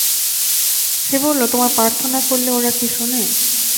সে বলল, তোমরা প্রার্থনা করলে ওরা কি শোনে?